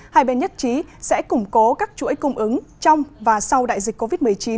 hai bên nhất trí sẽ củng cố các chuỗi cung ứng trong và sau đại dịch covid một mươi chín